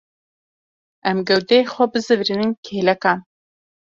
Em gewdeyê xwe bizîvirînin kêlekan.